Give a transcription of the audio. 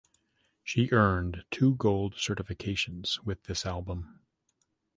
She earned two gold certifications with this album.